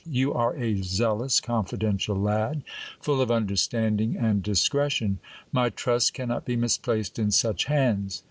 You are a zealous, confidential lad, full of understanding and discretion. My trust cannot be misplaced in such hands.